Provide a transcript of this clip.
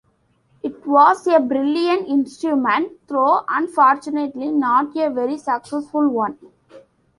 It was a brilliant instrument, though unfortunately not a very successful one.